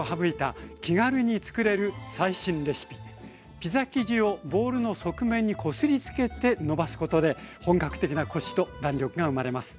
ピザ生地をボウルの側面にこすりつけてのばすことで本格的なコシと弾力が生まれます。